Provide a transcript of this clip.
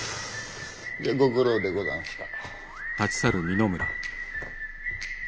じゃご苦労でござんした。